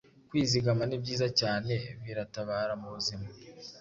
kwizigama nibyiza cyane biratabara mubuzima